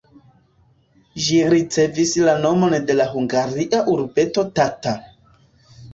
Ĝi ricevis la nomon de la hungaria urbeto Tata.